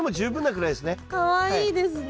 かわいいですね。